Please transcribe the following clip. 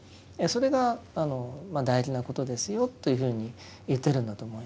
それが大事なことですよというふうに言ってるんだと思います。